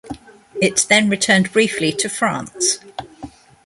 It then returned briefly to France.